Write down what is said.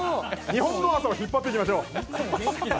日本の朝を引っ張っていきましょう。